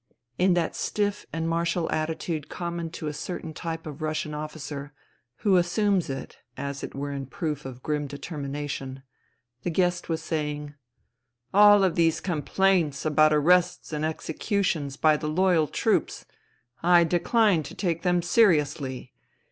In that stiff and martial attitude common to a certain type of Russian officer (who assumes it as it were in proof of grim determination) the guest was saying :" All these complaints about arrests and executions by the loyal troops — I decline to take them seriously.